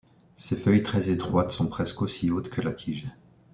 Ses feuilles très étroites sont presque aussi hautes que la tige.